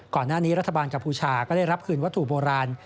ก่อนหน้านี้รัฐบาลกับพูชาก็ได้รับคืนวัตถุโบราณ